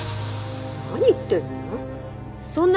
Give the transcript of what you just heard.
何言ってるの？